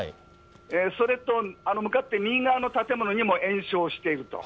それと、向かって右側の建物にも延焼していると。